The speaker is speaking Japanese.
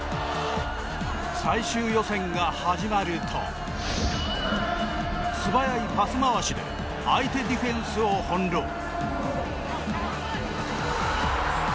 最終予選が始まると素早いパス回しで相手ディフェンスを翻弄。